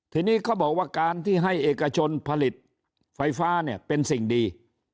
ทีนี้เขาบอกว่าการที่ให้เอกชนผลิตไฟฟ้าเนี่ยเป็นสิ่งดี